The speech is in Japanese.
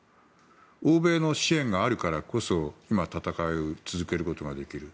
欧米の支援があるからこそ今、戦いを続けることができる。